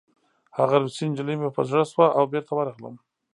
هغه روسۍ نجلۍ مې په زړه شوه او بېرته ورغلم